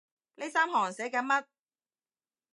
呢三行寫緊乜？